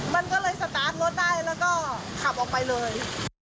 มันก็เลยสตาร์ทรถได้แล้วก็ขับออกไปเลย